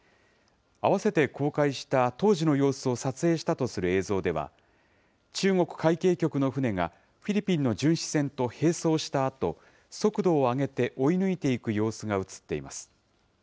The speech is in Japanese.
併せて公開した当時の様子を撮影したとする映像では、中国海警局の船が、フィリピンの巡視船と併走したあと、速度を上げて追い抜いていく様子が映っています。